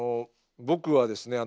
僕はですね